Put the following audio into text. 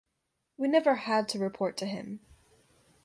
We never had to report to him.